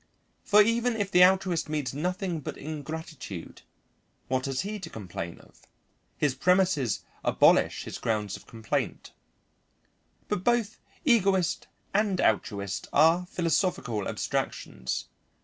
For even if the altruist meets nothing but ingratitude, what has he to complain of? His premises abolish his grounds of complaint. But both egoist and altruist are philosophical abstractions.